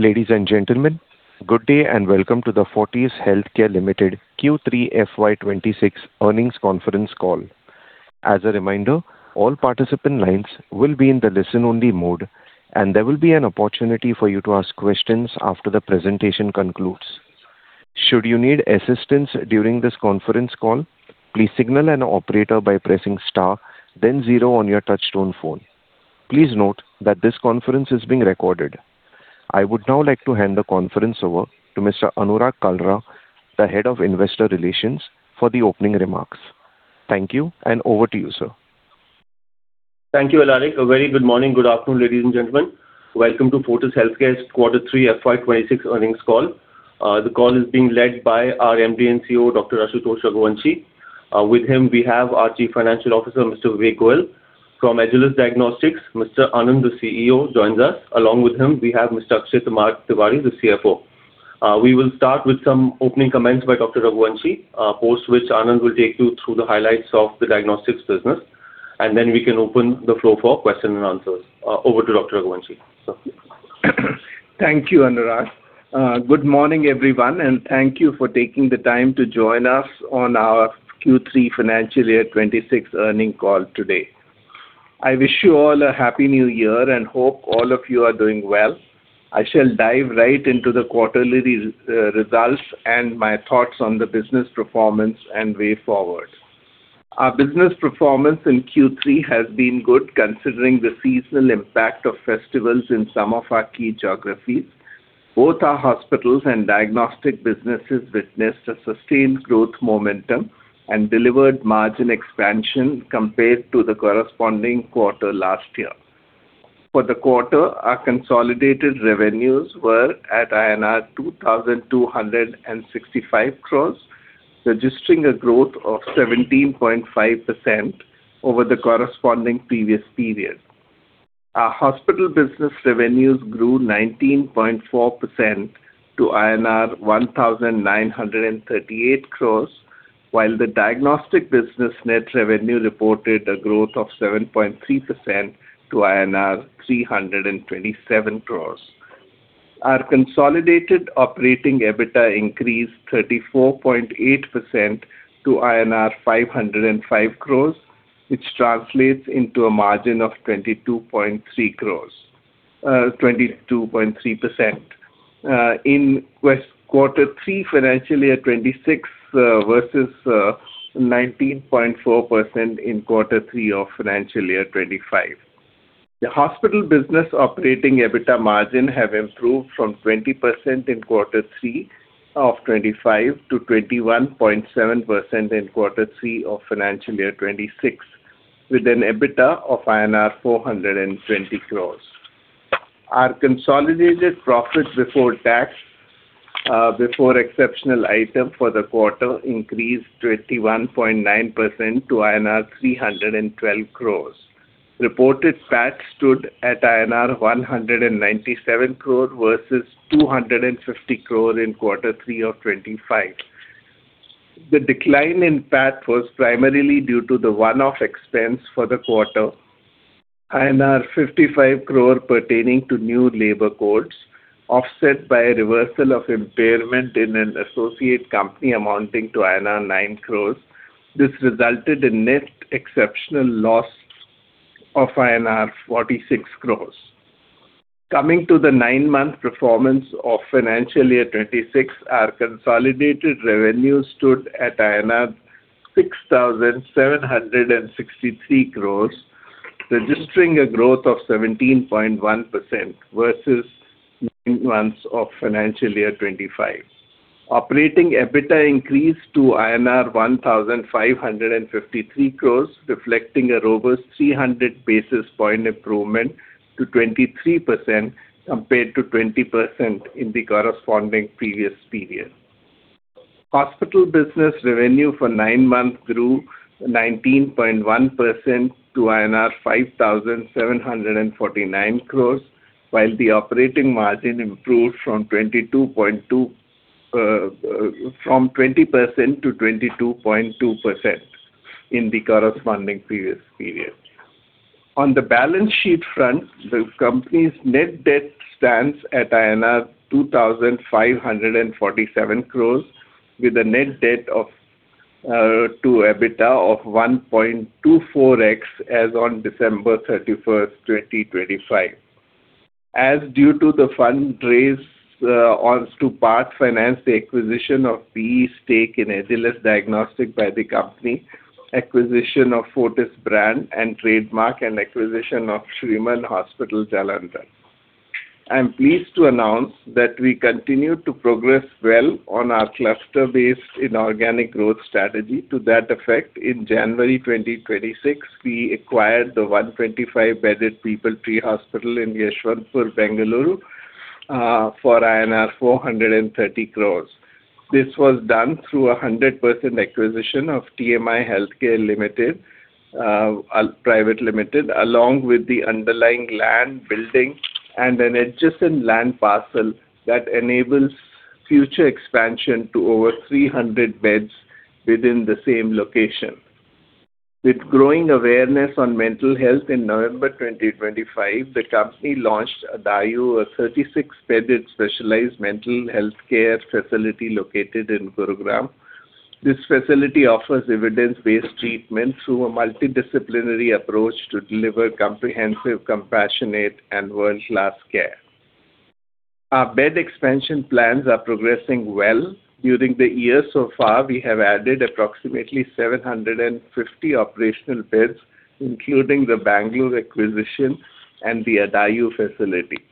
Ladies and gentlemen, good day, and welcome to the Fortis Healthcare Limited Q3 FY 2026 Earnings Conference Call. As a reminder, all participant lines will be in the listen-only mode, and there will be an opportunity for you to ask questions after the presentation concludes. Should you need assistance during this conference call, please signal an operator by pressing star then zero on your touchtone phone. Please note that this conference is being recorded. I would now like to hand the conference over to Mr. Anurag Kalra, the Head of Investor Relations, for the opening remarks. Thank you, and over to you, sir. Thank you, Alaric. A very good morning, good afternoon, ladies and gentlemen. Welcome to Fortis Healthcare's Quarter Three FY 2026 Earnings Call. The call is being led by our MD & CEO, Dr. Ashutosh Raghuvanshi. With him, we have our Chief Financial Officer, Mr. Vivek Goyal. From Agilus Diagnostics, Mr. Anand, the CEO, joins us. Along with him, we have Mr. Akshay Tiwari, the CFO. We will start with some opening comments by Dr. Raghuvanshi, post which Anand will take you through the highlights of the diagnostics business, and then we can open the floor for question and answers. Over to Dr. Raghuvanshi, sir. Thank you, Anurag. Good morning, everyone, and thank you for taking the time to join us on our Q3 Financial Year 2026 Earnings Call Today. I wish you all a Happy New Year, and hope all of you are doing well. I shall dive right into the quarterly results and my thoughts on the business performance and way forward. Our business performance in Q3 has been good, considering the seasonal impact of festivals in some of our key geographies. Both our hospitals and diagnostic businesses witnessed a sustained growth momentum and delivered margin expansion compared to the corresponding quarter last year. For the quarter, our consolidated revenues were at INR 2,265 crores, registering a growth of 17.5% over the corresponding previous period. Our hospital business revenues grew 19.4% to 1,938 crores, while the diagnostic business net revenue reported a growth of 7.3% to INR 327 crores. Our consolidated operating EBITDA increased 34.8% to INR 505 crores, which translates into a margin of 22.3 crores, 22.3%, in quarter three financial year 2026 versus 19.4% in quarter three of financial year 2025. The hospital business operating EBITDA margin have improved from 20% in quarter three of 2025 to 21.7% in quarter three of financial year 2026, with an EBITDA of INR 420 crores. Our consolidated profit before tax, before exceptional item for the quarter increased 21.9% to INR 312 crores. Reported PAT stood at INR 197 crore versus 250 crore in quarter three of 2025. The decline in PAT was primarily due to the one-off expense for the quarter, 55 crore pertaining to new labor codes, offset by a reversal of impairment in an associate company amounting to INR 9 crores. This resulted in net exceptional loss of INR 46 crores. Coming to the nine-month performance of financial year 2026, our consolidated revenue stood at INR 6,763 crores, registering a growth of 17.1% versus nine months of financial year 2025. Operating EBITDA increased to INR 1,553 crore, reflecting a robust 300 basis point improvement to 23%, compared to 20% in the corresponding previous period. Hospital business revenue for nine months grew 19.1% to INR 5,749 crore, while the operating margin improved from 22.2, from 20% to 22.2% in the corresponding previous period. On the balance sheet front, the company's net debt stands at 2,547 crore, with a net debt of, to EBITDA of 1.24x as on 31 December 2025. As due to the fund raise, on to part finance the acquisition of the stake in Agilus Diagnostics by the company, acquisition of Fortis brand and trademark, and acquisition of Shrimann Hospital, Jalandhar. I'm pleased to announce that we continue to progress well on our cluster-based inorganic growth strategy. To that effect, in January 2026, we acquired the 125-bedded People Tree Hospital in Yeshwantpur, Bengaluru, for INR 430 crore. This was done through a 100% acquisition of TMI Healthcare Private Limited, along with the underlying land, building, and an adjacent land parcel that enables future expansion to over 300 beds within the same location. With growing awareness on mental health in November 2025, the company launched Adayu, a 36-bedded specialized mental health care facility located in Gurugram. This facility offers evidence-based treatment through a multidisciplinary approach to deliver comprehensive, compassionate, and world-class care. Our bed expansion plans are progressing well. During the year so far, we have added approximately 750 operational beds, including the Bangalore acquisition and the Adayu facility.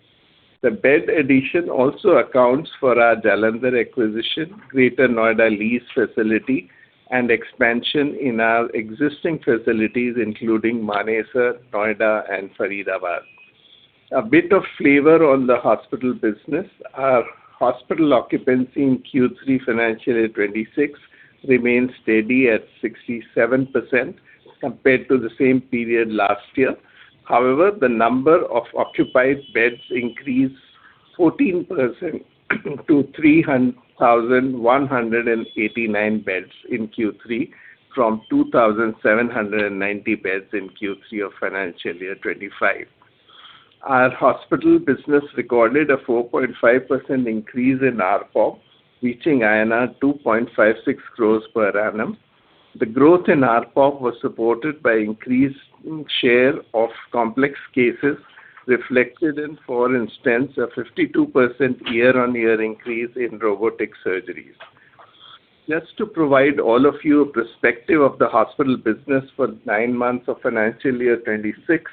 The bed addition also accounts for our Jalandhar acquisition, Greater Noida lease facility, and expansion in our existing facilities, including Manesar, Noida, and Faridabad. A bit of flavor on the hospital business. Our hospital occupancy in Q3 financial year 2026 remains steady at 67% compared to the same period last year. However, the number of occupied beds increased 14% to 3,189 beds in Q3, from 2,790 beds in Q3 of financial year 2025. Our hospital business recorded a 4.5% increase in ARPOB, reaching INR 2.56 crores per annum. The growth in ARPOB was supported by increased share of complex cases, reflected in, for instance, a 52% year-on-year increase in robotic surgeries. Just to provide all of you a perspective of the hospital business for nine months of financial year 2026,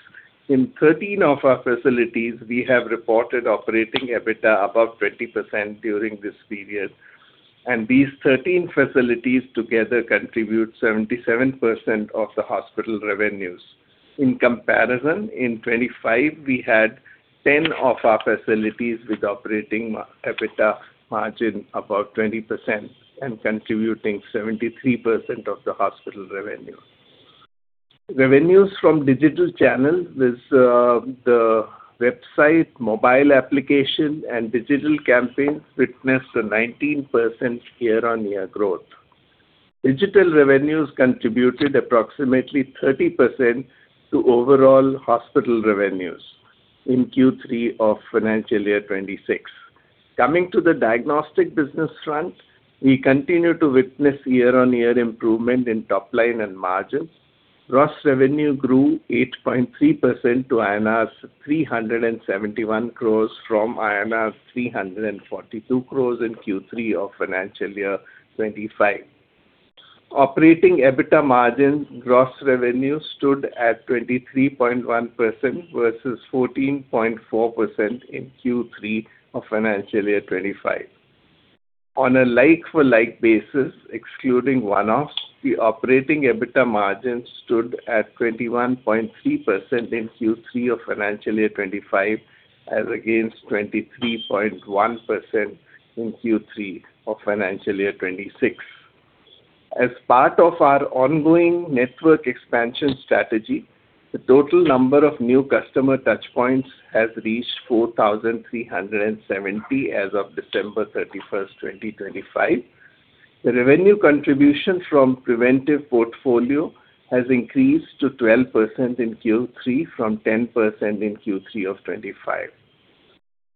in 13 of our facilities, we have reported operating EBITDA above 20% during this period, and these 13 facilities together contribute 77% of the hospital revenues. In comparison, in 2025, we had 10 of our facilities with operating EBITDA margin above 20% and contributing 73% of the hospital revenue. Revenues from digital channels, this, the website, mobile application, and digital campaigns witnessed a 19% year-on-year growth. Digital revenues contributed approximately 30% to overall hospital revenues in Q3 of financial year 2026. Coming to the diagnostic business front, we continue to witness year-on-year improvement in top line and margins. Gross revenue grew 8.3% to INR 371 crores from INR 342 crores in Q3 of financial year 2025. Operating EBITDA margin gross revenue stood at 23.1% versus 14.4% in Q3 of financial year 2025. On a like-for-like basis, excluding one-offs, the operating EBITDA margin stood at 21.3% in Q3 of financial year 2025, as against 23.1% in Q3 of financial year 2026. As part of our ongoing network expansion strategy, the total number of new customer touchpoints has reached 4,370 as of 31 December 2025. The revenue contribution from preventive portfolio has increased to 12% in Q3, from 10% in Q3 of 25.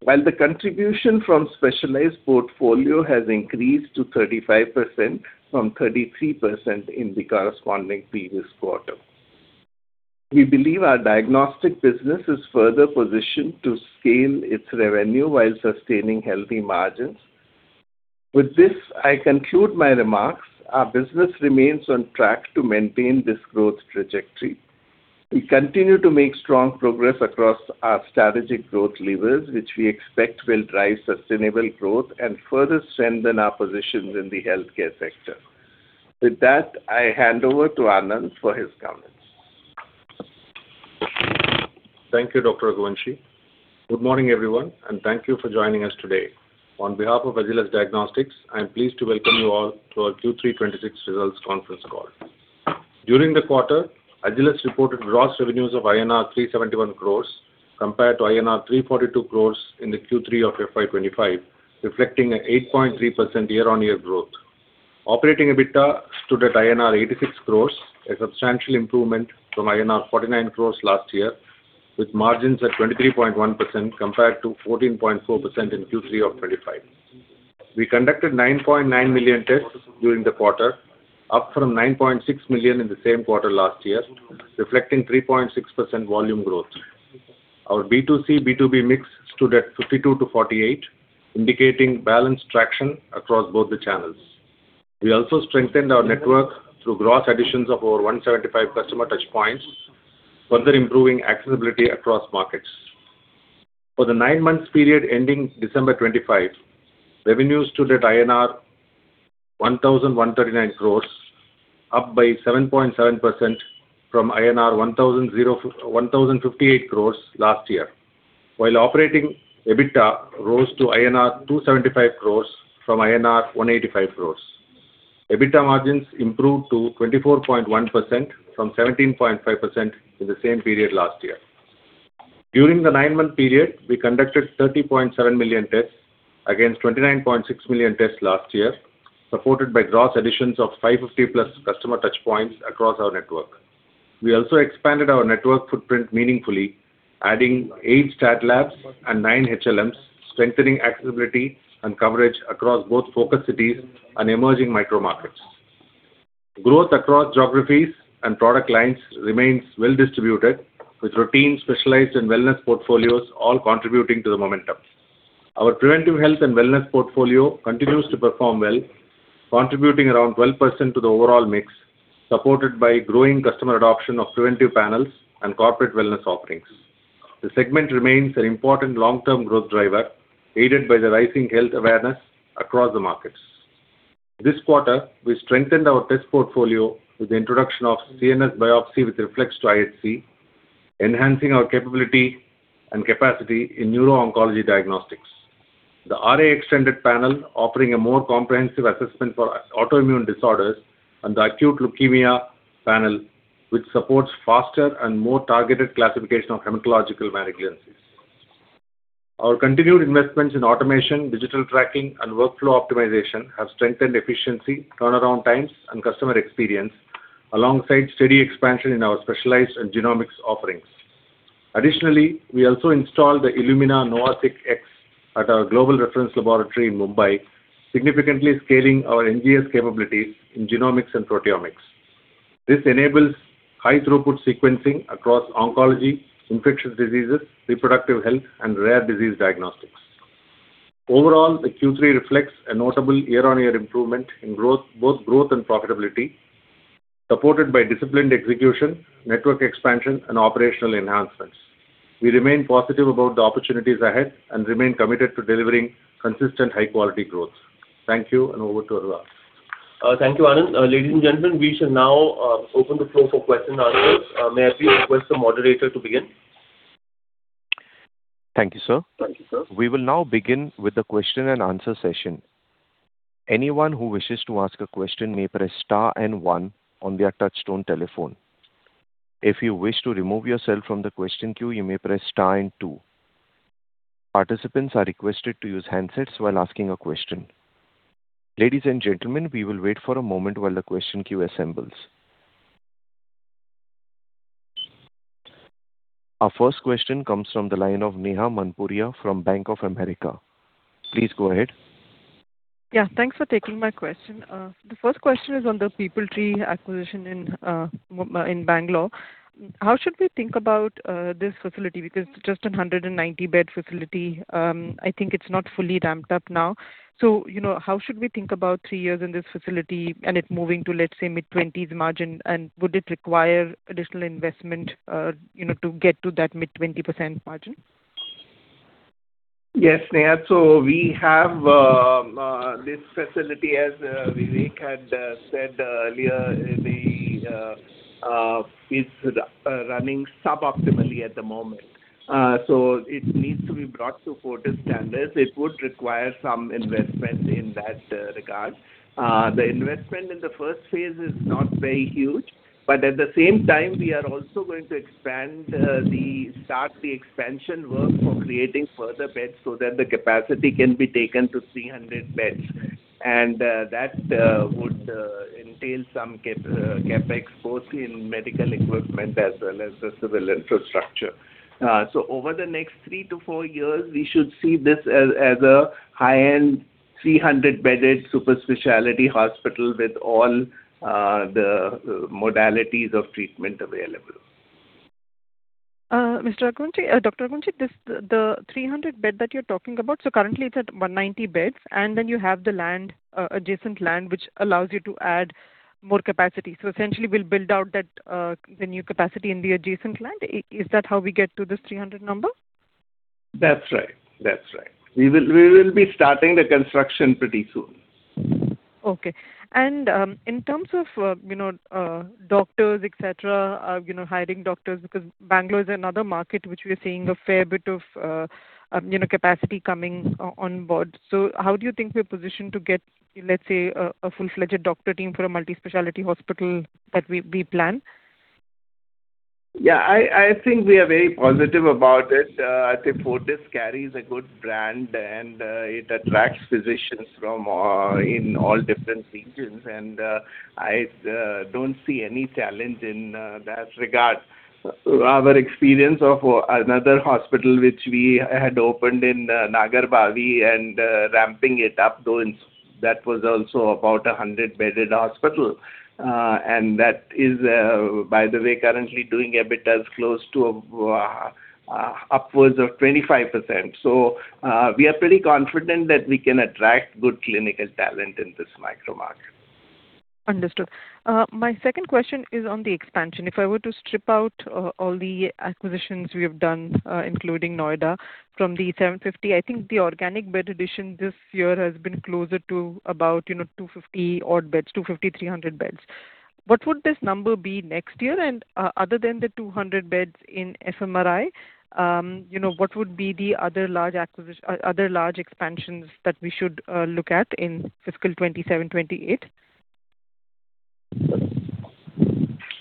While the contribution from specialized portfolio has increased to 35% from 33% in the corresponding previous quarter. We believe our diagnostic business is further positioned to scale its revenue while sustaining healthy margins. With this, I conclude my remarks. Our business remains on track to maintain this growth trajectory. We continue to make strong progress across our strategic growth levers, which we expect will drive sustainable growth and further strengthen our positions in the healthcare sector. With that, I hand over to Anand for his comments. Thank you, Dr. Raghuvanshi. Good morning, everyone, and thank you for joining us today. On behalf of Agilus Diagnostics, I'm pleased to welcome you all to our Q3 2026 results conference call. During the quarter, Agilus reported gross revenues of INR 371 crores compared to INR 342 crores in the Q3 of FY 2025, reflecting an 8.3% year-on-year growth. Operating EBITDA stood at INR 86 crores, a substantial improvement from INR 49 crores last year, with margins at 23.1% compared to 14.4% in Q3 of 2025. We conducted 9.9 million tests during the quarter, up from 9.6 million in the same quarter last year, reflecting 3.6% volume growth. Our B2C, B2B mix stood at 52-48, indicating balanced traction across both the channels. We also strengthened our network through gross additions of over 175 customer touchpoints, further improving accessibility across markets. For the nine months period ending December 2025, revenues stood at INR 1,139 crores, up by 7.7% from INR 1,058 crores last year, while operating EBITDA rose to INR 275 crores from INR 185 crores. EBITDA margins improved to 24.1% from 17.5% in the same period last year. During the nine-month period, we conducted 30.7 million tests against 29.6 million tests last year, supported by gross additions of 500+ customer touchpoints across our network. We also expanded our network footprint meaningfully, adding 8 stat labs and 9 HLMs, strengthening accessibility and coverage across both focus cities and emerging micro markets. Growth across geographies and product lines remains well distributed, with routine, specialized, and wellness portfolios all contributing to the momentum. Our preventive health and wellness portfolio continues to perform well, contributing around 12% to the overall mix, supported by growing customer adoption of preventive panels and corporate wellness offerings. The segment remains an important long-term growth driver, aided by the rising health awareness across the markets. This quarter, we strengthened our test portfolio with the introduction of CNS Biopsy with Reflex to IHC, enhancing our capability and capacity in neuro-oncology diagnostics. The RA Extended Panel, offering a more comprehensive assessment for autoimmune disorders, and the Acute Leukemia Panel, which supports faster and more targeted classification of hematological malignancies. Our continued investments in automation, digital tracking, and workflow optimization have strengthened efficiency, turnaround times, and customer experience, alongside steady expansion in our specialized and genomics offerings. Additionally, we also installed the Illumina NovaSeq X at our global reference laboratory in Mumbai, significantly scaling our NGS capabilities in genomics and proteomics. This enables high-throughput sequencing across oncology, infectious diseases, reproductive health, and rare disease diagnostics. Overall, the Q3 reflects a notable year-on-year improvement in growth, both growth and profitability, supported by disciplined execution, network expansion, and operational enhancements. We remain positive about the opportunities ahead and remain committed to delivering consistent, high-quality growth. Thank you, and over to Anurag. Thank you, Anand. Ladies and gentlemen, we shall now open the floor for question and answers. May I please request the moderator to begin? Thank you, sir. Thank you, sir. We will now begin with the question and answer session. Anyone who wishes to ask a question may press star and one on their touchtone telephone. If you wish to remove yourself from the question queue, you may press star and two. Participants are requested to use handsets while asking a question. Ladies and gentlemen, we will wait for a moment while the question queue assembles. Our first question comes from the line of Neha Manpuria from Bank of America. Please go ahead. Yeah, thanks for taking my question. The first question is on the PeopleTree acquisition in Bangalore. How should we think about this facility? Because it's just a 190-bed facility, I think it's not fully ramped up now. So, you know, how should we think about three years in this facility and it moving to, let's say, mid-20s margin, and would it require additional investment, you know, to get to that mid-20% margin? Yes, Neha. So we have this facility, as Vivek had said earlier, it's running suboptimally at the moment. So it needs to be brought to Fortis standards. It would require some investment in that regard. The investment in the first phase is not very huge, but at the same time, we are also going to expand, start the expansion work for creating further beds so that the capacity can be taken to 300 beds. And that would entail some CapEx, both in medical equipment as well as the civil infrastructure. So over the next three to four years, we should see this as a high-end, 300 bedded super specialty hospital with all the modalities of treatment available. Mr. Raghuvanshi, Dr. Raghuvanshi, this, the 300-bed that you're talking about, so currently it's at 190 beds, and then you have the land, adjacent land, which allows you to add more capacity. So essentially, we'll build out that, the new capacity in the adjacent land. Is that how we get to this 300 number? That's right. That's right. We will, we will be starting the construction pretty soon. Okay. And, in terms of, you know, doctors, et cetera, you know, hiring doctors, because Bangalore is another market which we are seeing a fair bit of, you know, capacity coming onboard. So how do you think we're positioned to get, let's say, a full-fledged doctor team for a multi-specialty hospital that we plan? Yeah, I think we are very positive about it. I think Fortis carries a good brand, and it attracts physicians from in all different regions, and I don't see any challenge in that regard. Our experience of another hospital, which we had opened in Nagarbhavi and ramping it up, though, in that was also about a 100-bedded hospital. And that is, by the way, currently doing EBITDA close to upwards of 25%. So, we are pretty confident that we can attract good clinical talent in this micro market. Understood. My second question is on the expansion. If I were to strip out all the acquisitions we have done, including Noida, from the 750, I think the organic bed addition this year has been closer to about, you know, 250 odd beds, 250, 300 beds. What would this number be next year? And other than the 200 beds in FMRI, you know, what would be the other large acquisition other large expansions that we should look at in fiscal 2027, 2028?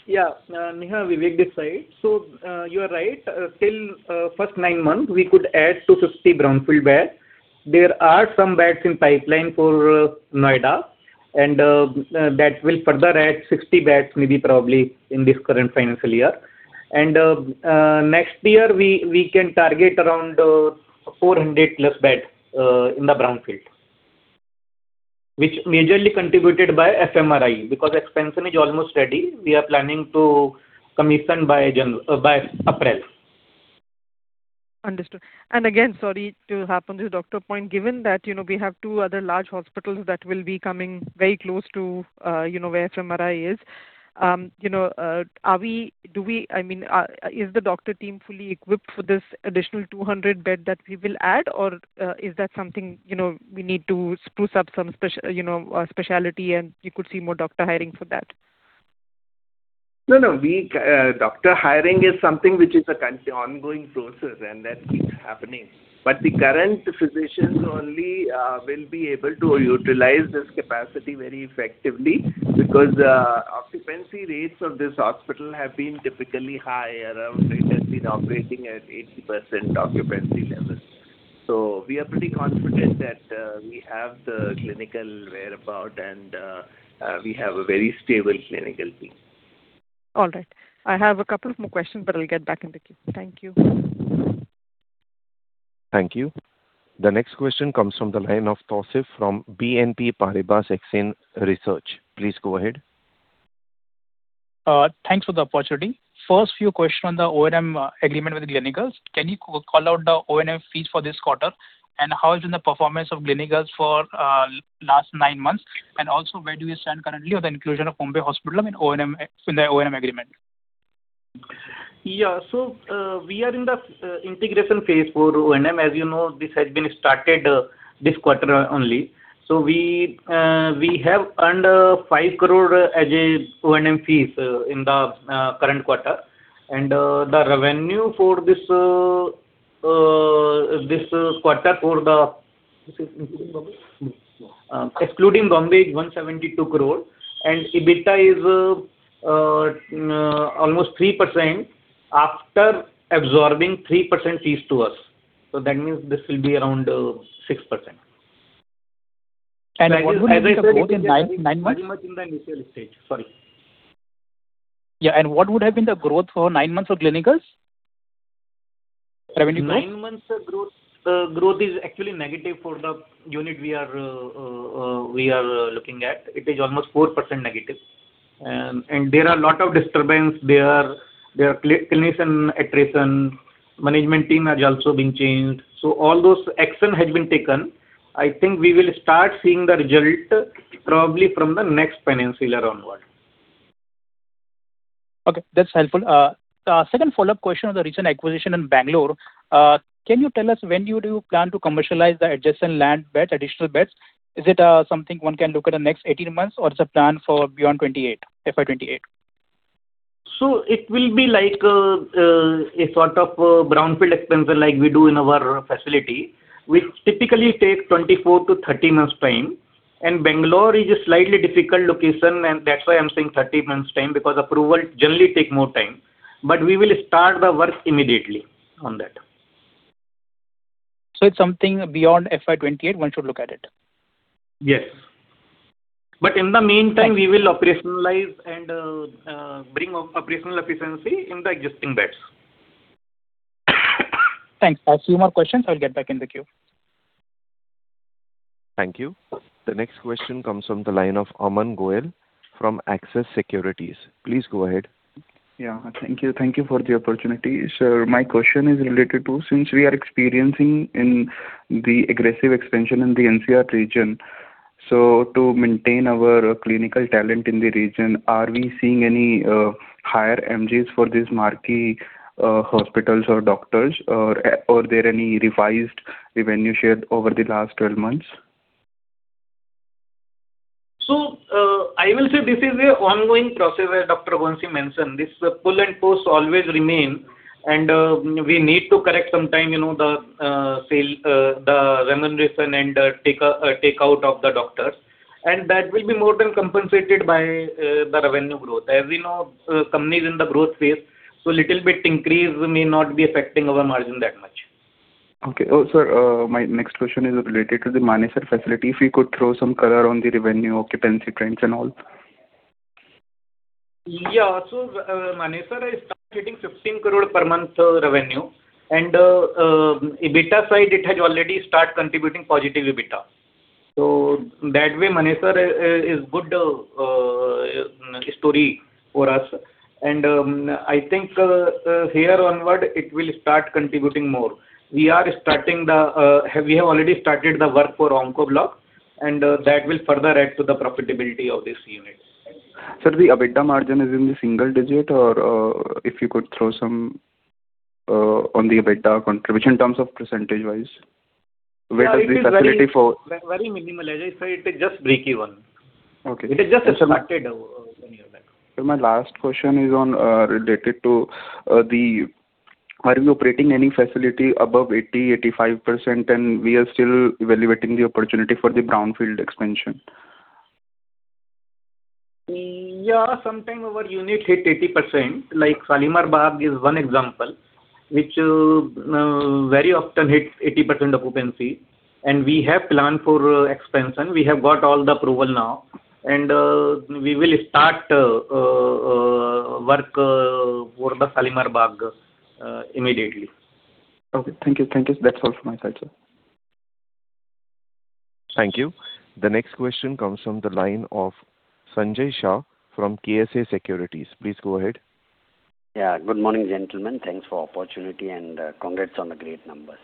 Yeah, Neha, Vivek this side. So, you are right, till first nine months, we could add 250 brownfield beds. There are some beds in pipeline for Noida, and that will further add 60 beds, maybe probably in this current financial year. And next year, we can target around 400+ beds in the brownfield, which majorly contributed by FMRI, because expansion is almost ready. We are planning to commission by Jan by April. Understood. And again, sorry to hop on to your doctor point, given that, you know, we have two other large hospitals that will be coming very close to, you know, where FMRI is. You know, I mean, is the doctor team fully equipped for this additional 200-bed that we will add? Or, is that something, you know, we need to spruce up some specialty, and you could see more doctor hiring for that? No, no, we, doctor hiring is something which is an ongoing process, and that keeps happening. But the current physicians only will be able to utilize this capacity very effectively, because occupancy rates of this hospital have been typically high, around it has been operating at 80% occupancy levels. So we are pretty confident that, we have the clinical wherewithal, and, we have a very stable clinical team. All right. I have a couple of more questions, but I'll get back in the queue. Thank you. Thank you. The next question comes from the line of Tausif from BNP Paribas Exane Research. Please go ahead. Thanks for the opportunity. First few questions on the O&M agreement with Gleneagles. Can you call out the O&M fees for this quarter? And how has been the performance of Gleneagles for last nine months? And also, where do we stand currently on the inclusion of Bombay Hospital in O&M, in the O&M agreement? Yeah. So, we are in the integration phase for O&M. As you know, this has been started this quarter only. So we have earned 5 crore as O&M fees in the current quarter. And, the revenue for this quarter for the Excluding Bombay? Excluding Bombay, 172 crore, and EBITDA is almost 3% after absorbing 3% fees to us. So that means this will be around 6%. What would have been the growth in nine months? Very much in the initial stage. Sorry. Yeah, and what would have been the growth for nine months of Gleneagles? Revenue growth. Nine months growth is actually negative for the unit we are looking at. It is almost 4% negative. And there are a lot of disturbance. There are clinician attrition, management team has also been changed. So all those action has been taken. I think we will start seeing the result probably from the next financial year onward. Okay, that's helpful. Second follow-up question on the recent acquisition in Bengaluru. Can you tell us when do you plan to commercialize the adjacent land beds, additional beds? Is it something one can look at in the next 18 months, or is a plan for beyond 2028, FY 2028? So it will be like a sort of a brownfield expansion like we do in our facility, which typically takes 24-30 months time, and Bangalore is a slightly difficult location, and that's why I'm saying 30 months time, because approval generally take more time. But we will start the work immediately on that. It's something beyond FY 2028, one should look at it? Yes. But in the meantime Thanks. We will operationalize and bring operational efficiency in the existing beds. Thanks. I have a few more questions. I'll get back in the queue. Thank you. The next question comes from the line of Aman Goyal from Axis Securities. Please go ahead. Yeah, thank you. Thank you for the opportunity. So my question is related to, since we are experiencing in the aggressive expansion in the NCR region, so to maintain our clinical talent in the region, are we seeing any, higher MGs for these marquee, hospitals or doctors, or, are there any revised revenue shared over the last 12 months? So, I will say this is an ongoing process, as Dr. Raghuvanshi mentioned. This pull and push always remain, and we need to correct sometime, you know, the salary, the remuneration and take, take out of the doctors. And that will be more than compensated by the revenue growth. As we know, company is in the growth phase, so little bit increase may not be affecting our margin that much. Okay. Sir, my next question is related to the Manesar facility. If you could throw some color on the revenue, occupancy trends, and all? Yeah. So, Manesar has started getting 15 crore per month revenue, and, EBITDA side, it has already start contributing positive EBITDA. So that way, Manesar is good story for us. And, I think, here onward, it will start contributing more. We are starting the, we have already started the work for onco block, and, that will further add to the profitability of this unit. Sir, the EBITDA margin is in the single digit, or, if you could throw some on the EBITDA contribution in terms of percentage-wise, where is the facility for- Very minimal, as I said, it is just breakeven. Okay. It is just started, earlier than. Sir, my last question is on related to the. Are you operating any facility above 80-85%, and we are still evaluating the opportunity for the brownfield expansion? Yeah, sometimes our unit hit 80%, like Shalimar Bagh is one example, which very often hits 80% occupancy, and we have planned for expansion. We have got all the approval now, and we will start work for the Shalimar Bagh immediately. Okay. Thank you. Thank you. That's all from my side, sir. Thank you. The next question comes from the line of Sanjay Shah from KSA Securities. Please go ahead. Yeah. Good morning, gentlemen. Thanks for opportunity, and congrats on the great numbers.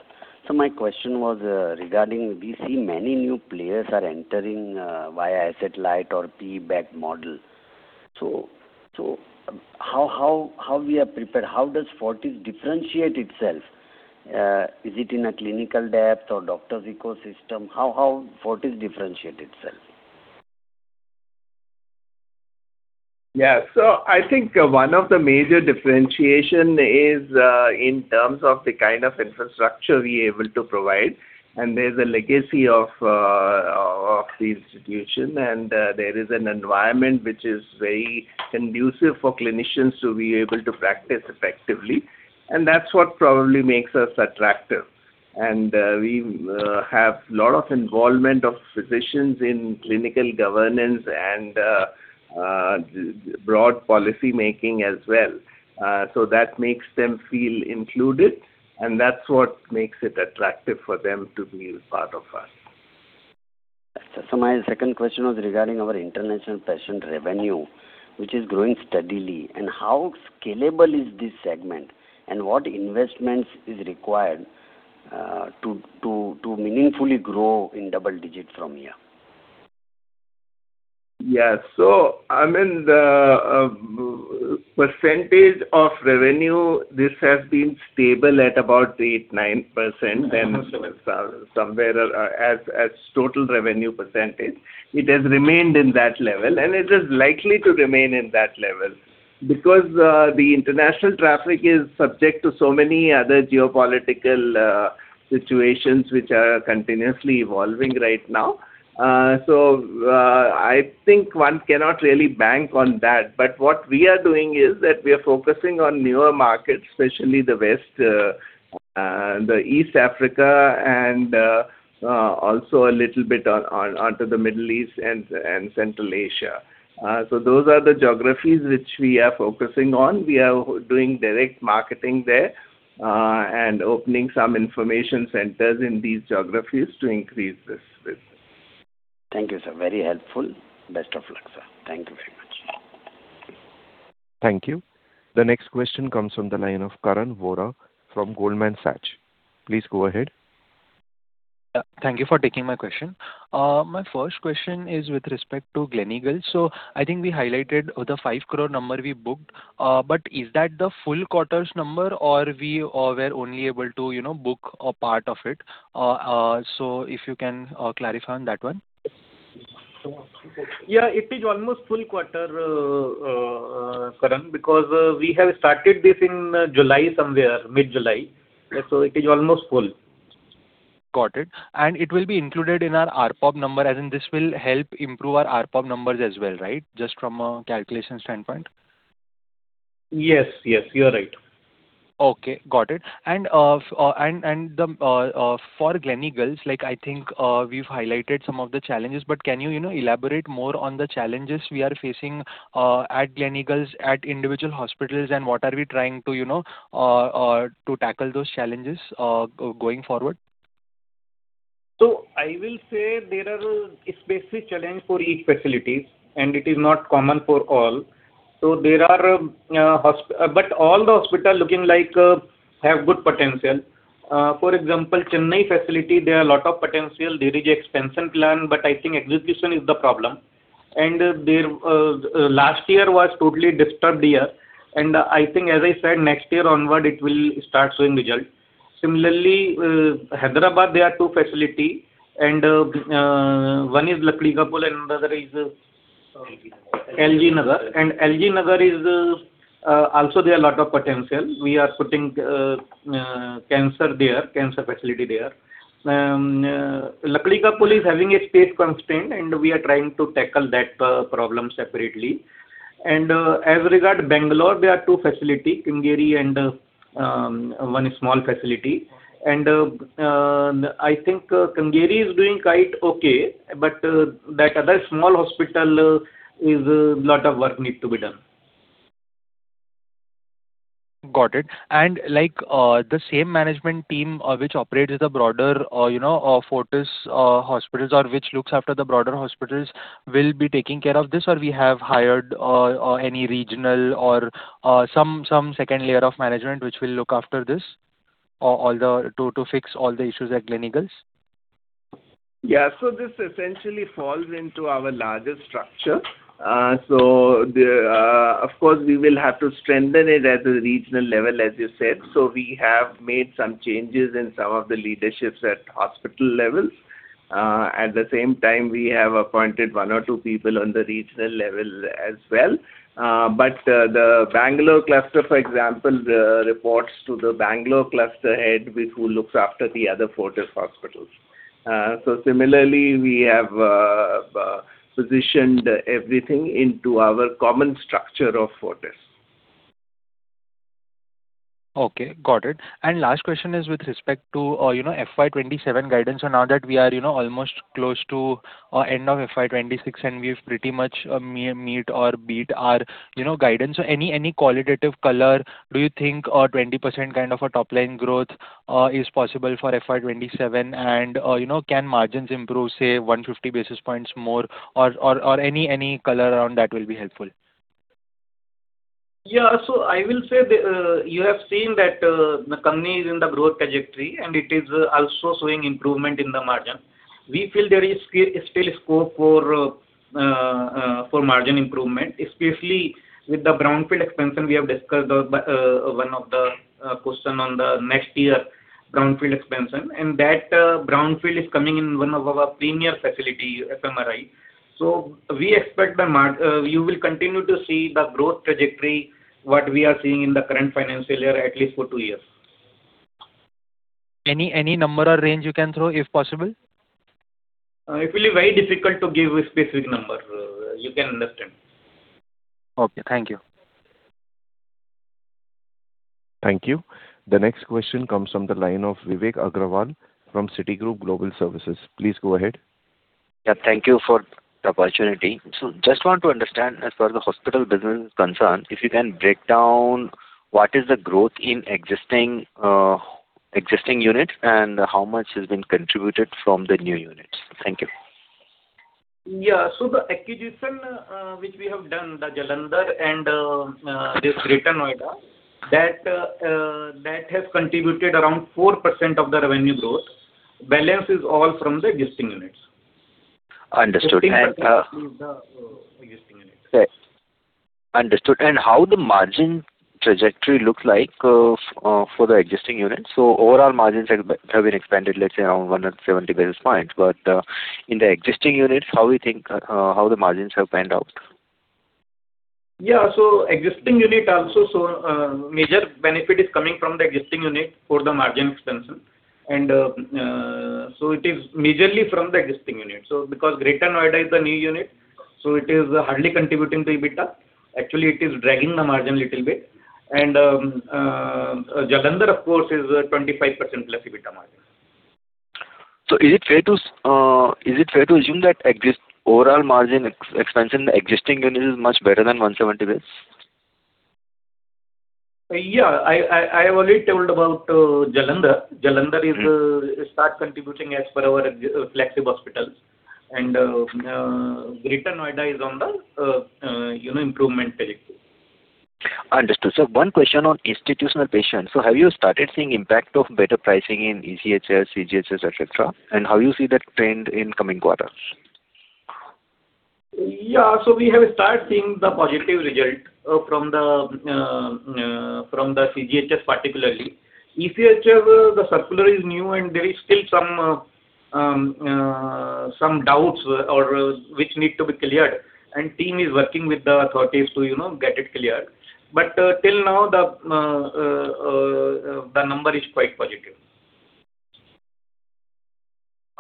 So my question was regarding we see many new players are entering via asset light or PE-backed model. So how are we prepared? How does Fortis differentiate itself? Is it in a clinical depth or doctors' ecosystem? How Fortis differentiate itself? Yeah. So I think one of the major differentiation is in terms of the kind of infrastructure we're able to provide, and there's a legacy of the institution, and there is an environment which is very conducive for clinicians to be able to practice effectively, and that's what probably makes us attractive. And we have a lot of involvement of physicians in clinical governance and broad policymaking as well. So that makes them feel included, and that's what makes it attractive for them to be a part of us. So my second question was regarding our international patient revenue, which is growing steadily, and how scalable is this segment? And what investments is required, to meaningfully grow in double digits from here? Yeah. So I mean, the percentage of revenue, this has been stable at about 8%-9%, and somewhere as total revenue percentage, it has remained in that level, and it is likely to remain in that level. Because, the international traffic is subject to so many other geopolitical situations which are continuously evolving right now. So, I think one cannot really bank on that, but what we are doing is that we are focusing on newer markets, especially the West, the East Africa and also a little bit on onto the Middle East and Central Asia. So those are the geographies which we are focusing on. We are doing direct marketing there, and opening some information centers in these geographies to increase this business. Thank you, sir. Very helpful. Best of luck, sir. Thank you very much. Thank you. The next question comes from the line of Karan Vora from Goldman Sachs. Please go ahead. Yeah, thank you for taking my question. My first question is with respect to Gleneagles. So I think we highlighted the 5 crore number we booked, but is that the full quarters number, or we were only able to, you know, book a part of it? So if you can clarify on that one. Yeah, it is almost full quarter, Karan, because we have started this in July, somewhere mid-July, so it is almost full. Got it. And it will be included in our RPOP number, as in this will help improve our RPOP numbers as well, right? Just from a calculation standpoint. Yes, yes, you are right. Okay, got it. And the, for Gleneagles, like, I think, we've highlighted some of the challenges, but can you, you know, elaborate more on the challenges we are facing, at Gleneagles, at individual hospitals, and what are we trying to, you know, to tackle those challenges, going forward? So I will say there are a specific challenge for each facility, and it is not common for all. So there are, but all the hospital looking like, have good potential. For example, Chennai facility, there are a lot of potential. There is expansion plan, but I think execution is the problem. And there, last year was totally disturbed year, and I think as I said, next year onward, it will start showing results. Similarly, Hyderabad, there are two facility, and one is Lakdikapul, and another is LB Nagar. And LB Nagar is also there are a lot of potential. We are putting cancer there, cancer facility there. Lakdikapul is having a space constraint, and we are trying to tackle that problem separately. And, as regard Bangalore, there are two facility, Kengeri and one small facility. And I think Kengeri is doing quite okay, but that other small hospital is a lot of work needs to be done. Got it. Like, the same management team, which operates the broader, you know, Fortis hospitals or which looks after the broader hospitals, will be taking care of this, or we have hired any regional or some second layer of management which will look after this to fix all the issues at Gleneagles? Yeah. So this essentially falls into our larger structure. So the, of course, we will have to strengthen it at the regional level, as you said. So we have made some changes in some of the leaderships at hospital level. At the same time, we have appointed one or two people on the regional level as well. But the Bangalore cluster, for example, reports to the Bangalore cluster head, who looks after the other Fortis hospitals. So similarly, we have positioned everything into our common structure of Fortis. Okay, got it. And last question is with respect to, you know, FY 2027 guidance, so now that we are, you know, almost close to end of FY 2026, and we've pretty much meet or beat our, you know, guidance. So any qualitative color, do you think a 20% kind of a top line growth is possible for FY 2027? And, you know, can margins improve, say, 150 basis points more, or any color around that will be helpful. Yeah. So I will say the, you have seen that, the company is in the growth trajectory, and it is also showing improvement in the margin. We feel there is still scope for margin improvement, especially with the brownfield expansion. We have discussed the, one of the, question on the next year brownfield expansion, and that, brownfield is coming in one of our premier facility, FMRI. So we expect the margin. You will continue to see the growth trajectory, what we are seeing in the current financial year, at least for two years. Any, any number or range you can throw, if possible? It will be very difficult to give a specific number. You can understand. Okay, thank you. Thank you. The next question comes from the line of Vivek Agrawal from Citigroup Global Services. Please go ahead. Yeah, thank you for the opportunity. So just want to understand, as far as the hospital business is concerned, if you can break down what is the growth in existing units and how much has been contributed from the new units. Thank you. Yeah. So the acquisition, which we have done, the Jalandhar and this Greater Noida, that has contributed around 4% of the revenue growth. Balance is all from the existing units. Understood. And Existing units. Right. Understood. And how the margin trajectory looks like for the existing units? So overall margins have been expanded, let's say, around 170 basis points. But in the existing units, how you think, how the margins have panned out? Yeah, so existing unit also, so, major benefit is coming from the existing unit for the margin expansion. So it is majorly from the existing unit. So because Greater Noida is the new unit, so it is hardly contributing to EBITDA. Actually, it is dragging the margin little bit. Jalandhar, of course, is 25%+ EBITDA margin. So is it fair to, is it fair to assume that overall margin ex-expansion in the existing units is much better than 170 basis? Yeah, I have already told about Jalandhar. Jalandhar is start contributing as per our existing flexible hospitals. And Greater Noida is on the, you know, improvement trajectory. Understood. So one question on institutional patients. So have you started seeing impact of better pricing in ECHS, CGHS, et cetera? And how you see that trend in coming quarters? Yeah. So we have started seeing the positive result from the CGHS, particularly. ECHS, the circular is new, and there is still some doubts or which need to be cleared, and team is working with the authorities to, you know, get it cleared. But till now, the number is quite positive.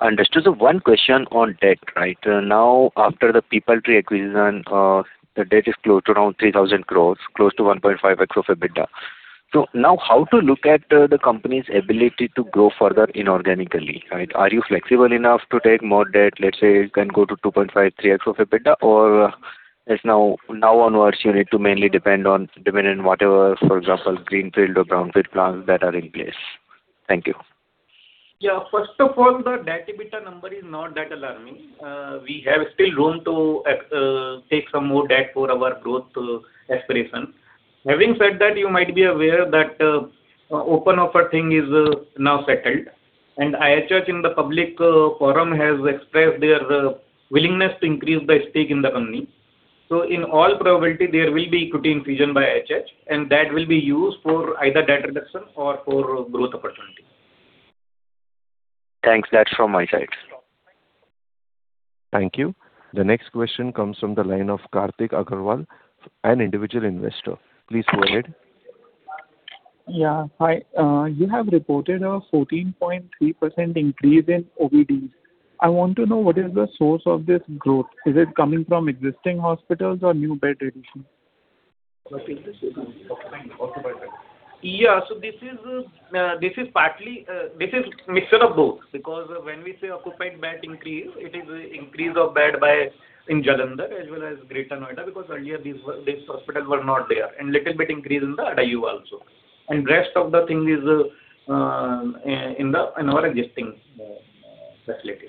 Understood. So one question on debt, right? Now, after the PeopleTree acquisition, the debt is close to around 3,000 crore, close to 1.5x of EBITDA. So now, how to look at the company's ability to grow further inorganically, right? Are you flexible enough to take more debt? Let's say you can go to 2.5-3x of EBITDA, or just now onwards, you need to mainly depend on, depend on whatever, for example, greenfield or brownfield plans that are in place. Thank you. Yeah. First of all, the debt EBITDA number is not that alarming. We have still room to take some more debt for our growth aspirations. Having said that, you might be aware that open offer thing is now settled, and IHH in the public forum has expressed their willingness to increase their stake in the company. So in all probability, there will be equity infusion by IHH, and that will be used for either debt reduction or for growth opportunities. Thanks. That's from my side. Thank you. The next question comes from the line of Kartik Agrawal, an individual investor. Please go ahead. Yeah. Hi. You have reported a 14.3% increase in OBD. I want to know what is the source of this growth. Is it coming from existing hospitals or new bed addition? Yeah. So this is partly this is mixture of both, because when we say occupied bed increase, it is increase of bed by in Jalandhar as well as Greater Noida, because earlier these were, these hospitals were not there, and little bit increase in the Adayu also. And rest of the thing is in the in our existing facilities.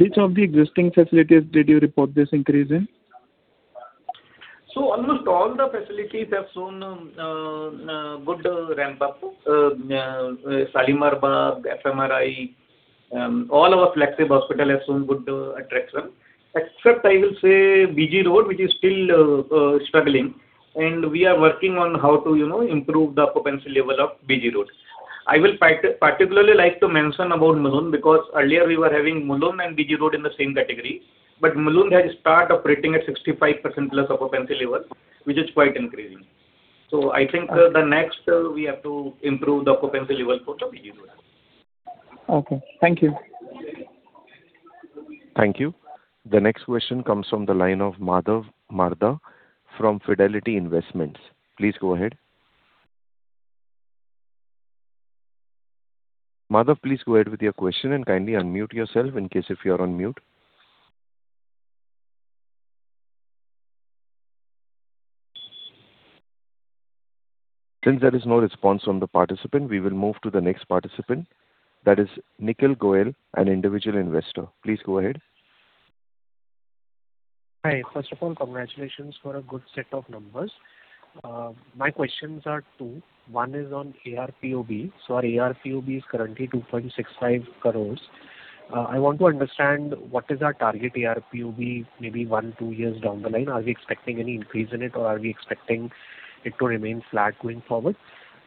Which of the existing facilities did you report this increase in? So almost all the facilities have shown good ramp-up, Salimar Bagh, FMRI. All our flexible hospital have shown good attraction, except I will say BG Road, which is still struggling, and we are working on how to, you know, improve the occupancy level of BG Road. I will particularly like to mention about Mulund, because earlier we were having Mulund and BG Road in the same category, but Mulund has start operating at 65%+ occupancy level, which is quite encouraging. So I think the next, we have to improve the occupancy level for the BG Road. Okay, thank you. Thank you. The next question comes from the line of Madhav Marda from Fidelity Investments. Please go ahead. Madhav, please go ahead with your question, and kindly unmute yourself in case if you are on mute. Since there is no response from the participant, we will move to the next participant. That is Nikhil Goel, an individual investor. Please go ahead. Hi. First of all, congratulations for a good set of numbers. My questions are two. One is on ARPOB. So our ARPOB is currently 2.65 crore. I want to understand what is our target ARPOB, maybe 1-2 years down the line. Are we expecting any increase in it, or are we expecting it to remain flat going forward?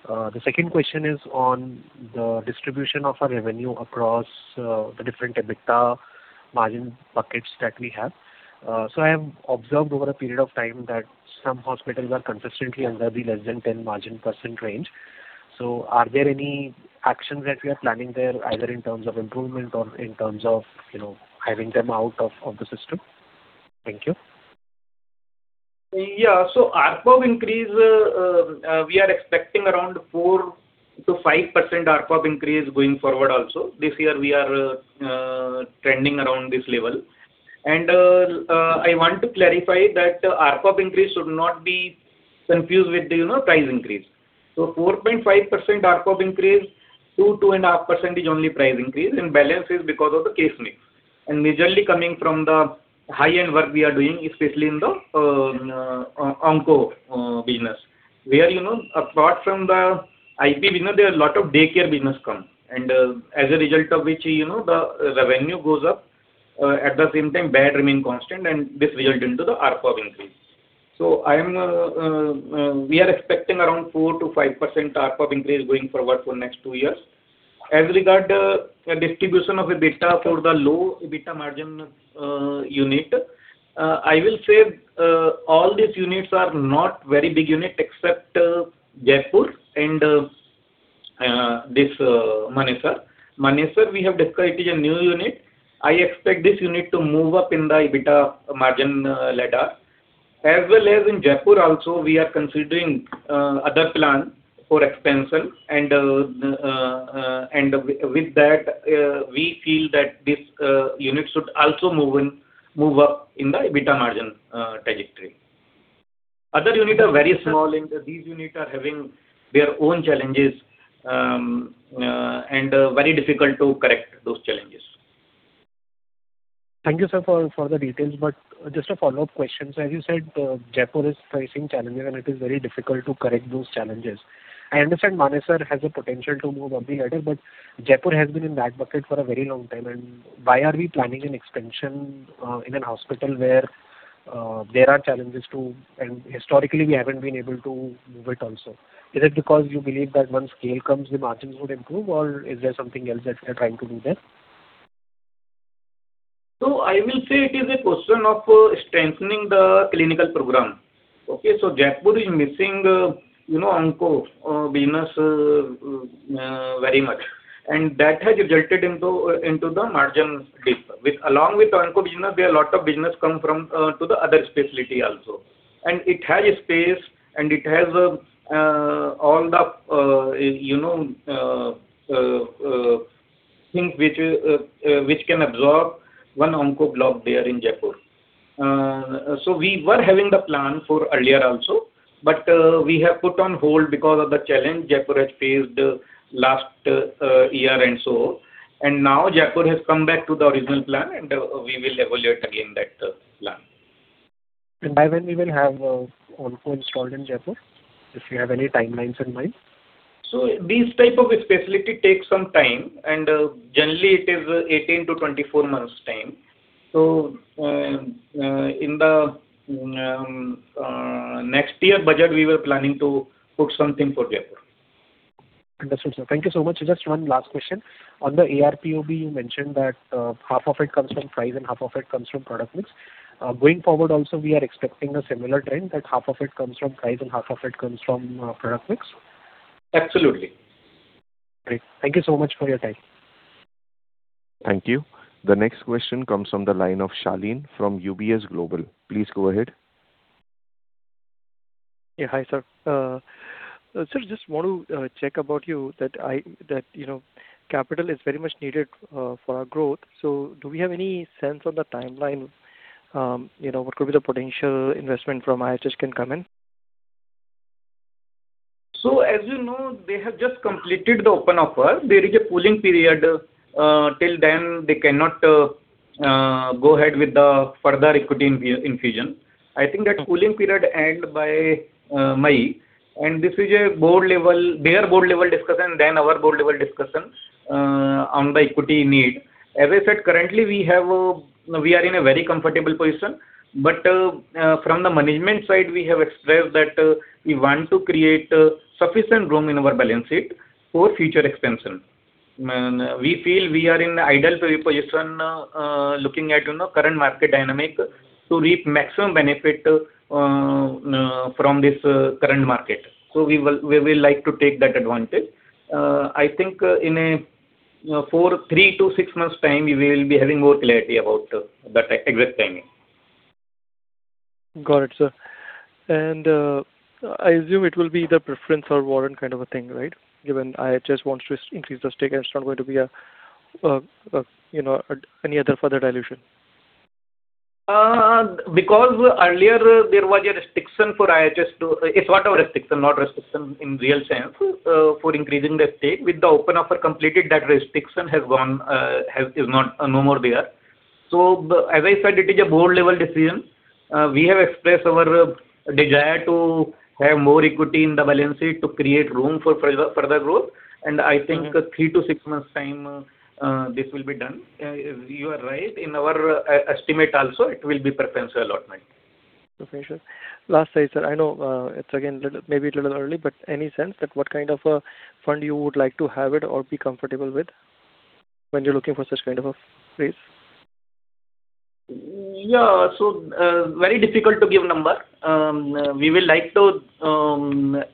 The second question is on the distribution of our revenue across the different EBITDA margin buckets that we have. So I have observed over a period of time that some hospitals are consistently under the less than 10% margin range. So are there any actions that we are planning there, either in terms of improvement or in terms of, you know, having them out of the system? Thank you. Yeah. So ARPOB increase, we are expecting around 4%-5% ARPOB increase going forward also. This year we are trending around this level. I want to clarify that ARPOB increase should not be confused with, you know, price increase. So 4.5% ARPOB increase, 2-2.5% only price increase, and balance is because of the case mix. Majorly coming from the high-end work we are doing, especially in the onco business, where, you know, apart from the IP business, there are a lot of daycare business come, and, as a result of which, you know, the revenue goes up. At the same time, bed remain constant, and this result into the ARPOB increase. So I am, we are expecting around 4%-5% ARPOB increase going forward for next two years. As regard the distribution of EBITDA for the low EBITDA margin, unit, I will say, all these units are not very big unit except Jaipur and, this, Manesar. Manesar, we have discussed, it is a new unit. I expect this unit to move up in the EBITDA margin, ladder. As well as in Jaipur also, we are considering, other plan for expansion and, and with, with that, we feel that this, unit should also move up in the EBITDA margin, trajectory. Other units are very small, and these units are having their own challenges, and very difficult to correct those challenges. Thank you, sir, for the details, but just a follow-up question. So as you said, Jaipur is facing challenges, and it is very difficult to correct those challenges. I understand Manesar has a potential to move up the ladder, but Jaipur has been in that bucket for a very long time, and why are we planning an expansion, in a hospital where there are challenges, too, and historically we haven't been able to move it also? Is it because you believe that once scale comes, the margins would improve, or is there something else that you are trying to do there? So I will say it is a question of strengthening the clinical program. Okay, so Jaipur is missing, you know, onco business very much, and that has resulted into the margin dip. With along with the onco business, there are a lot of business come from to the other specialty also. And it has space, and it has all the, you know, things which which can absorb one onco block there in Jaipur. So we were having the plan for earlier also, but we have put on hold because of the challenge Jaipur has faced last year and so on. And now Jaipur has come back to the original plan, and we will evaluate again that plan. By when we will have onco installed in Jaipur, if you have any timelines in mind? So these type of facility takes some time, and generally it is 18-24 months time. So, in the next year budget, we were planning to put something for Jaipur. Understood, sir. Thank you so much. Just one last question. On the ARPOB, you mentioned that, half of it comes from price and half of it comes from product mix. Going forward also, we are expecting a similar trend, that half of it comes from price and half of it comes from, product mix? Absolutely. Great. Thank you so much for your time. Thank you. The next question comes from the line of Shaleen from UBS Global. Please go ahead. Yeah, hi, sir. Sir, just want to check about you that I that, you know, capital is very much needed for our growth, so do we have any sense on the timeline, you know, what could be the potential investment from IHH can come in? So, as you know, they have just completed the open offer. There is a cooling period. Till then, they cannot go ahead with the further equity infusion. I think that cooling period end by May, and this is a board level, their board level discussion, then our board level discussion on the equity need. As I said, currently, we have, we are in a very comfortable position, but from the management side, we have expressed that we want to create sufficient room in our balance sheet for future expansion. And we feel we are in ideal position looking at, you know, current market dynamic to reap maximum benefit from this current market. So we will, we will like to take that advantage. I think, in three to six months time, we will be having more clarity about the exact timing. Got it, sir. And, I assume it will be the preference or warrant kind of a thing, right? Given IHH wants to increase the stake, it's not going to be, you know, any other further dilution. Because earlier there was a restriction for IHH to it's not a restriction, not restriction in real sense, for increasing their stake. With the open offer completed, that restriction has gone, is not, no more there. So as I said, it is a board level decision. We have expressed our desire to have more equity in the balance sheet to create room for further growth, and I think three to six months time, this will be done. You are right, in our estimate also, it will be preference allotment. Preference. Last slide, sir. I know, it's again, little, maybe a little early, but any sense that what kind of a fund you would like to have it or be comfortable with when you're looking for such kind of a raise? Yeah. So, very difficult to give number. We will like to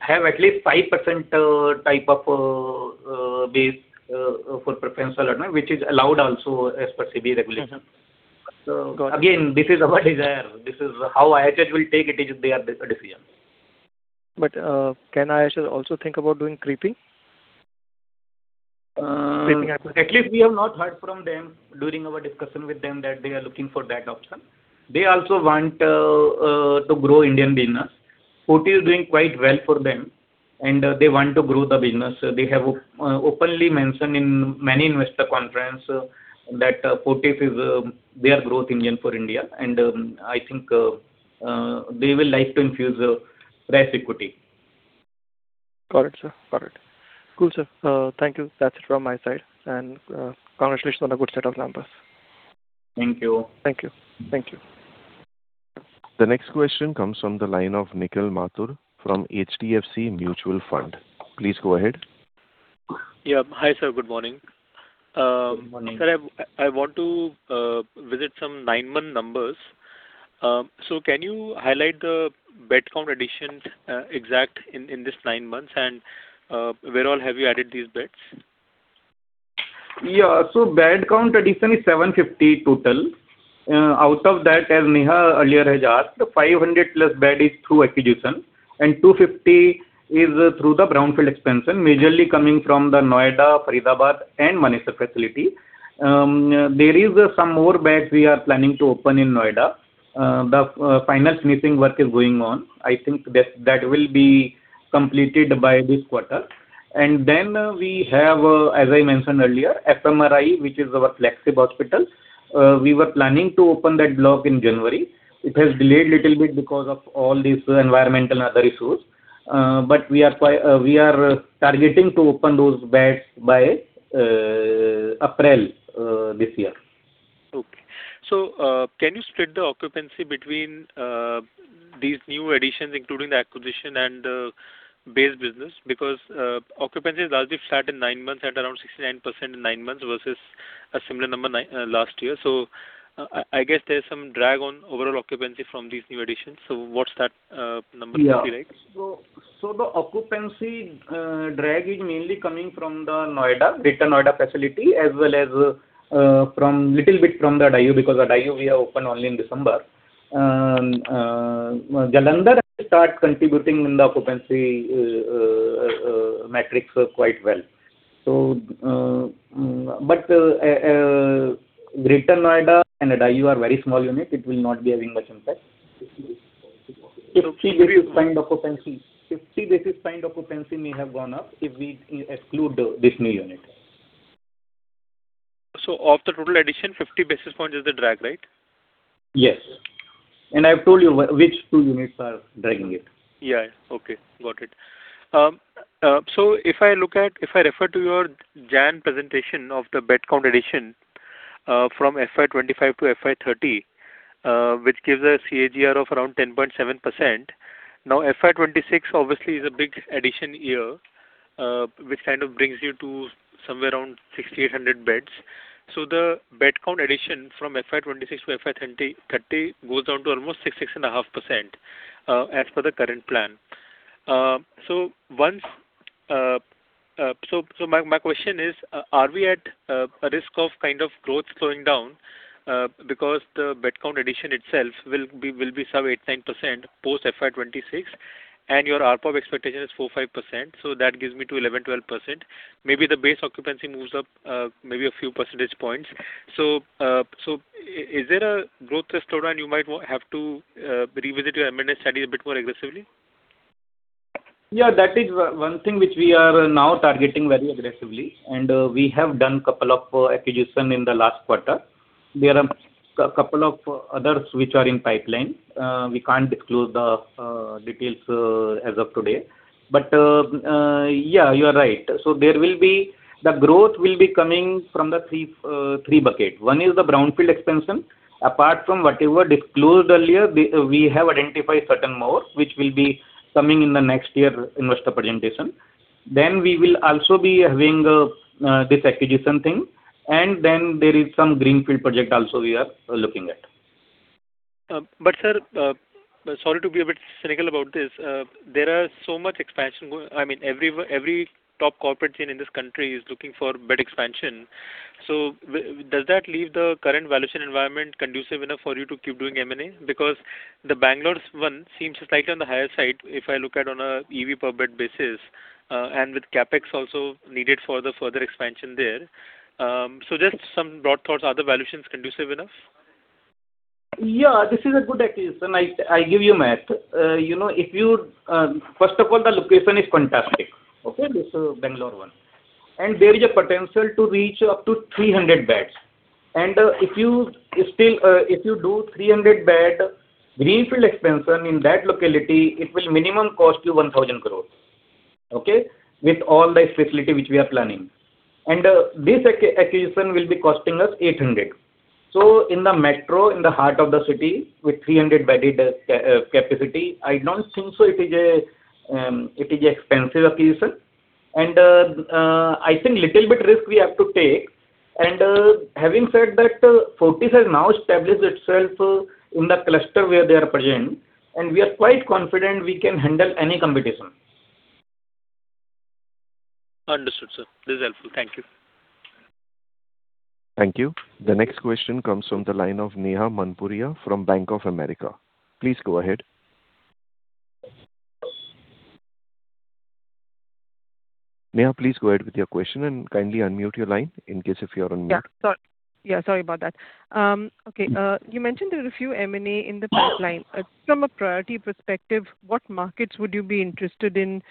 have at least 5% type of base for preference allotment, which is allowed also as per SEBI regulation. Got it. Again, this is our desire. This is how IHH will take it. It is their decision. Can IHH also think about doing creeping? At least we have not heard from them during our discussion with them that they are looking for that option. They also want to grow Indian business. Fortis is doing quite well for them, and they want to grow the business. They have openly mentioned in many investor conference that Fortis is their growth engine for India, and I think they will like to infuse fresh equity. Got it, sir. Got it. Cool, sir. Thank you. That's it from my side, and congratulations on a good set of numbers. Thank you. Thank you. Thank you. The next question comes from the line of Nikhil Mathur from HDFC Mutual Fund. Please go ahead. Yeah. Hi, sir. Good morning. Good morning. Sir, I want to visit some nine-month numbers. So can you highlight the bed count additions exactly in this nine months, and where all have you added these beds? Yeah. So bed count addition is 750 total. Out of that, as Neha earlier has asked, 500+ bed is through acquisition, and 250 is through the brownfield expansion, majorly coming from the Noida, Faridabad and Manesar facility. There is some more beds we are planning to open in Noida. The final finishing work is going on. I think that will be completed by this quarter. And then, we have, as I mentioned earlier, FMRI, which is our flagship hospital. We were planning to open that block in January. It has delayed little bit because of all these environmental and other issues, but we are targeting to open those beds by April this year. Okay. So, can you split the occupancy between these new additions, including the acquisition and the base business? Because occupancy is largely flat in nine months at around 69% in nine months versus a similar number last year. So I guess there's some drag on overall occupancy from these new additions. So what's that number maybe, right? Yeah. So the occupancy drag is mainly coming from the Noida, Greater Noida facility, as well as little bit from the Adayu, because the Adayu we have opened only in December. Jalandhar start contributing in the occupancy metrics quite well. So but Greater Noida and Adayu are very small units, it will not be having much impact. 50 basis point of occupancy. 50 basis points of occupancy may have gone up if we exclude this new unit. Of the total addition, 50 basis points is the drag, right? Yes. And I've told you which two units are dragging it. Yeah. Okay, got it. So if I look at, if I refer to your Jan presentation of the bed count addition, from FY 2025 to FY 2030, which gives a CAGR of around 10.7%. Now, FY 2026 obviously is a big addition year, which kind of brings you to somewhere around 6,800 beds. So the bed count addition from FY 2026 to FY 2030, goes down to almost 6-6.5%, as per the current plan. So, so my, my question is, are we at a risk of kind of growth slowing down? Because the bed count addition itself will be some 8-9% post FY 2026, and your ARPO expectation is 4-5%, so that gives me to 11-12%. Maybe the base occupancy moves up, maybe a few percentage points. So, so is there a growth slowdown you might have to revisit your M&S study a bit more aggressively? Yeah, that is one thing which we are now targeting very aggressively, and we have done a couple of acquisitions in the last quarter. There are a couple of others which are in the pipeline. We can't disclose the details as of today. But yeah, you are right. So, the growth will be coming from the three buckets. One is the brownfield expansion. Apart from what you were disclosed earlier, we have identified certain more, which will be coming in the next year investor presentation. Then we will also be having this acquisition thing, and then there is some greenfield project also we are looking at. But, sir, sorry to be a bit cynical about this. There are so much expansion going-- I mean, every, every top corporate chain in this country is looking for bed expansion. So does that leave the current valuation environment conducive enough for you to keep doing M&A? Because the Bangalore one seems slightly on the higher side, if I look at on a EV per bed basis, and with CapEx also needed for the further expansion there. So just some broad thoughts. Are the valuations conducive enough? Yeah, this is a good acquisition. I, I give you math. You know, if you. First of all, the location is fantastic, okay, this Bangalore one. And there is a potential to reach up to 300 beds. And, if you still, if you do 300-bed greenfield expansion in that locality, it will minimum cost you 1,000 crore, okay? With all the facility which we are planning. And, this acquisition will be costing us 800 crore. So in the metro, in the heart of the city, with 300-bed capacity, I don't think so it is a, it is a expensive acquisition. And, I think little bit risk we have to take. Having said that, Fortis has now established itself in the cluster where they are present, and we are quite confident we can handle any competition. Understood, sir. This is helpful. Thank you. Thank you. The next question comes from the line of Neha Manpuria from Bank of America. Please go ahead. Neha, please go ahead with your question and kindly unmute your line in case if you're on mute. Yeah, sorry, yeah, sorry about that. Okay, you mentioned there are a few M&A in the pipeline. From a priority perspective, what markets would you be interested in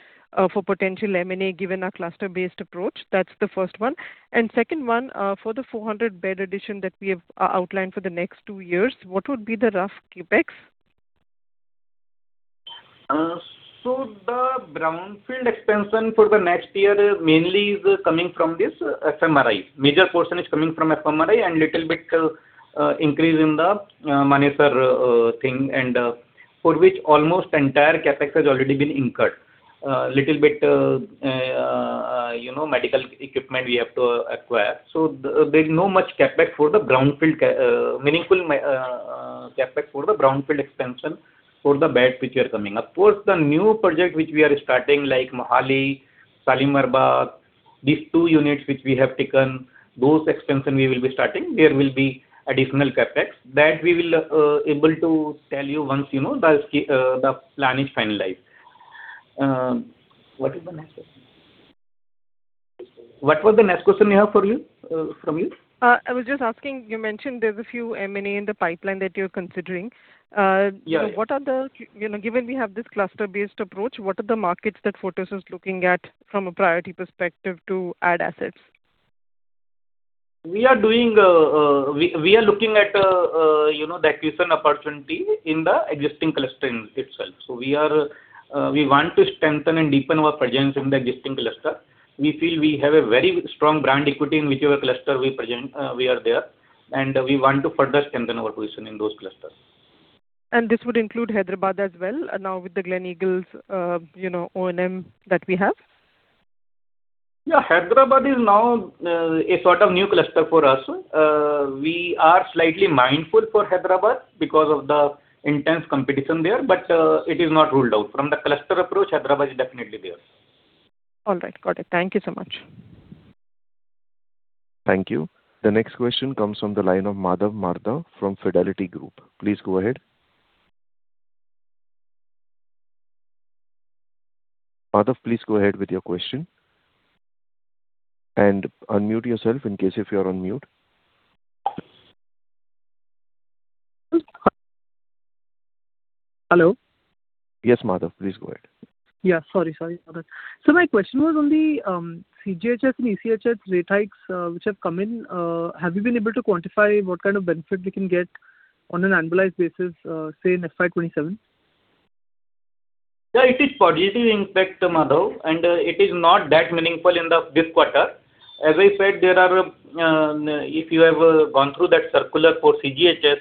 for potential M&A, given a cluster-based approach? That's the first one. And second one, for the 400-bed addition that we have outlined for the next two years, what would be the rough CapEx? So the brownfield expansion for the next year mainly is coming from this FMRI. Major portion is coming from FMRI and little bit, increase in the, Manesar, thing, and, for which almost entire CapEx has already been incurred. Little bit, you know, medical equipment we have to acquire. So there's no much CapEx for the brownfield meaningful CapEx for the brownfield expansion for the bed which are coming. Of course, the new project which we are starting, like Mohali, Shalimar Bagh, these two units which we have taken, those expansion we will be starting, there will be additional CapEx. That we will, able to tell you once, you know, the plan is finalized. What was the next question? What was the next question, Neha, for you, from you? I was just asking, you mentioned there's a few M&A in the pipeline that you're considering. Yeah, yeah. What are the, you know, given we have this cluster-based approach, what are the markets that Fortis is looking at from a priority perspective to add assets? We are doing we are looking at you know the acquisition opportunity in the existing cluster in itself. So we want to strengthen and deepen our presence in the existing cluster. We feel we have a very strong brand equity in whichever cluster we present we are there, and we want to further strengthen our position in those clusters. This would include Hyderabad as well, now with the Gleneagles, you know, O&M that we have? Yeah, Hyderabad is now a sort of new cluster for us. We are slightly mindful for Hyderabad because of the intense competition there, but it is not ruled out. From the cluster approach, Hyderabad is definitely there. All right. Got it. Thank you so much. Thank you. The next question comes from the line of Madhav Marda from Fidelity Investments. Please go ahead. Madhav, please go ahead with your question. Unmute yourself in case if you're on mute. Hello? Yes, Madhav, please go ahead. Yeah, sorry, sorry about that. So my question was on the CGHS and ECHS rate hikes, which have come in. Have you been able to quantify what kind of benefit we can get on an annualized basis, say, in FY 2027? Yeah, it is positive impact, Madhav, and it is not that meaningful in this quarter. As I said, there are, if you have gone through that circular for CGHS,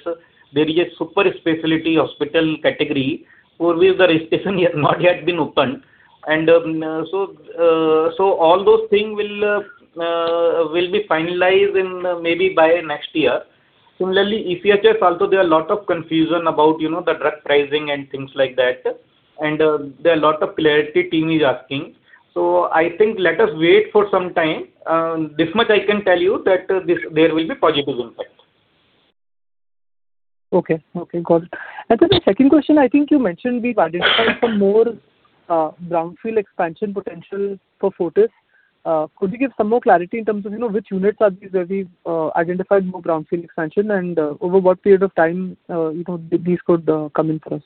there is a super specialty hospital category for which the registration has not yet been opened. And, so all those things will be finalized in maybe by next year. Similarly, ECHS also, there are a lot of confusion about, you know, the drug pricing and things like that, and, there are a lot of clarity team is asking. So I think let us wait for some time. This much I can tell you that this, there will be positive impact. Okay. Okay, got it. I think the second question, I think you mentioned we've identified some more Brownfield expansion potential for Fortis. Could you give some more clarity in terms of, you know, which units are these, where we've identified more Brownfield expansion, and over what period of time, you know, these could come in for us?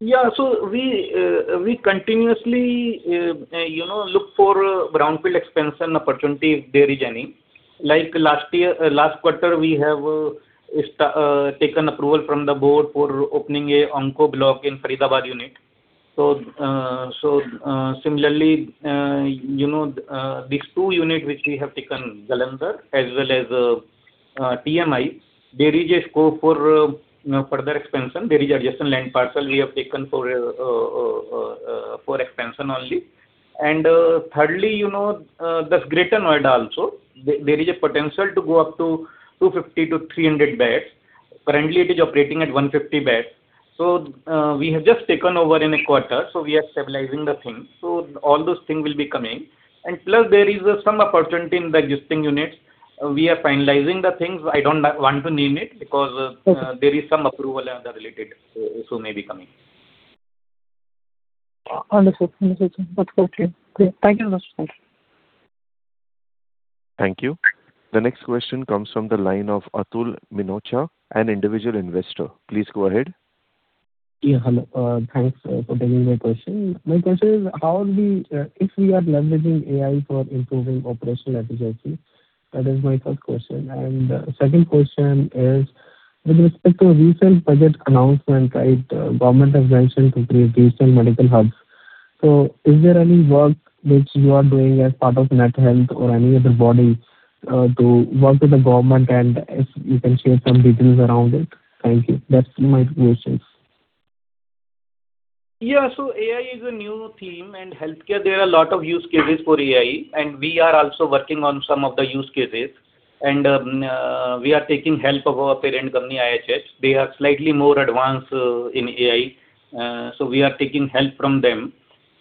Yeah. So we continuously, you know, look for brownfield expansion opportunity if there is any. Like last year, last quarter, we have taken approval from the board for opening a onco block in Faridabad unit. So, so, similarly, you know, these two units which we have taken, Jalandhar, as well as, TMI, there is a scope for, you know, further expansion. There is adjacent land parcel we have taken for, for expansion only. And, thirdly, you know, there's Greater Noida also. There is a potential to go up to 250-300 beds. Currently, it is operating at 150 beds. So, we have just taken over in a quarter, so we are stabilizing the things. So all those things will be coming. And plus, there is some opportunity in the existing units. We are finalizing the things. I don't want to name it because- Okay. There is some approval and the related, so maybe coming. Understood. Understood. That's okay. Great. Thank you so much. Thank you. The next question comes from the line of Atul Minocha, an individual investor. Please go ahead. Yeah, hello. Thanks for taking my question. My question is: how we, if we are leveraging AI for improving operational efficiency? That is my first question. Second question is with respect to recent budget announcement, right, government has mentioned to create regional medical hubs. So is there any work which you are doing as part of NATHEALTH or any other body, to work with the government, and if you can share some details around it? Thank you. That's my questions. Yeah. So AI is a new theme, and healthcare, there are a lot of use cases for AI, and we are also working on some of the use cases. And, we are taking help of our parent company, IHH. They are slightly more advanced, in AI, so we are taking help from them.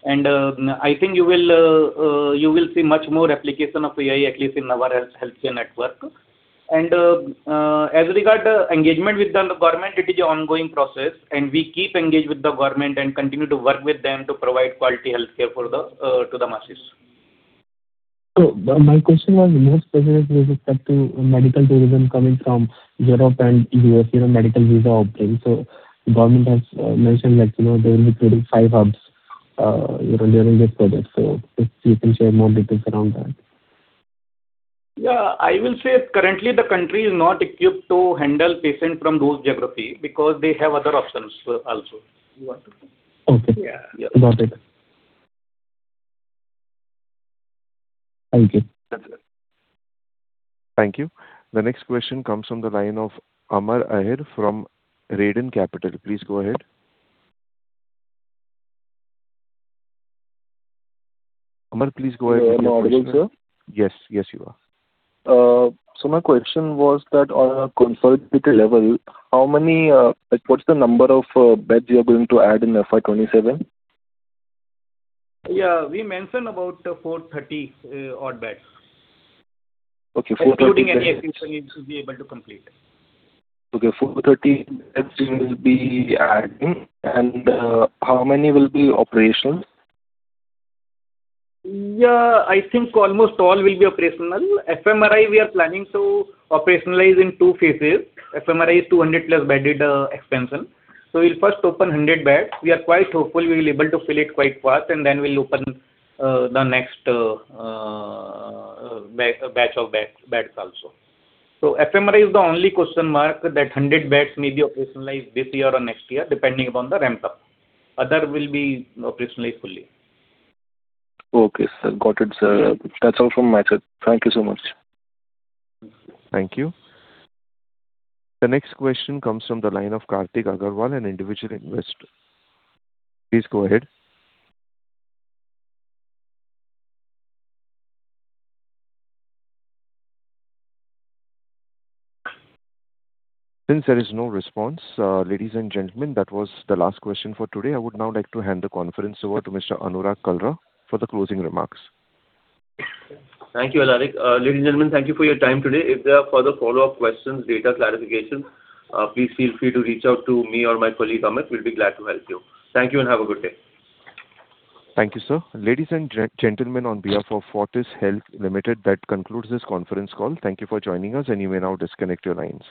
And, I think you will, you will see much more application of AI, at least in our health, healthcare network. And, as regards the engagement with the government, it is an ongoing process, and we keep engaged with the government and continue to work with them to provide quality healthcare for the, to the masses. So my question was more specific with respect to medical tourism coming from Europe and U.S., you know, medical visa opening. So the government has mentioned that, you know, they will be creating five hubs, you know, during this project. So if you can share more details around that. Yeah. I will say currently the country is not equipped to handle patients from those geography because they have other options also. Okay. Yeah. Got it. Thank you. That's it. Thank you. The next question comes from the line of Amar Aher from Reden Capital. Please go ahead. Amar, please go ahead with your question. Good morning, sir. Yes. Yes, you are. My question was that on a consolidated level, how many, like, what's the number of beds you're going to add in FY 2027? Yeah, we mentioned about 430 odd beds. Okay, 430 Including any additional we should be able to complete. Okay, 430 beds you will be adding. How many will be operational? Yeah, I think almost all will be operational. FMRI, we are planning to operationalize in two phases. FMRI is 200+ bedded, expansion. So we'll first open 100 beds. We are quite hopeful we will be able to fill it quite fast, and then we'll open, the next, bed, batch of beds, beds also. So FMRI is the only question mark that 100 beds may be operationalized this year or next year, depending upon the ramp up. Other will be operational fully. Okay, sir. Got it, sir. That's all from my side. Thank you so much. Thank you. The next question comes from the line of Kartik Agrawal, an individual investor. Please go ahead. Since there is no response, ladies and gentlemen, that was the last question for today. I would now like to hand the conference over to Mr. Anurag Kalra for the closing remarks. Thank you, Alaric. Ladies and gentlemen, thank you for your time today. If there are further follow-up questions, data clarification, please feel free to reach out to me or my colleague, Amit. We'll be glad to help you. Thank you and have a good day. Thank you, sir. Ladies and gentlemen, on behalf of Fortis Healthcare Limited, that concludes this conference call. Thank you for joining us, and you may now disconnect your lines.